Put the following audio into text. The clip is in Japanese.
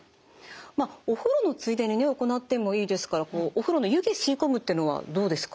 まあお風呂のついでにね行ってもいいですからお風呂の湯気吸い込むっていうのはどうですか？